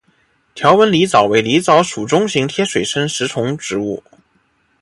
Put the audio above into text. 条纹狸藻为狸藻属中型贴水生食虫植物。